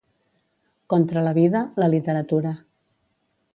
Contra la vida, la literatura.